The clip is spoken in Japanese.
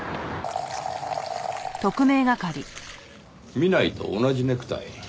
南井と同じネクタイ。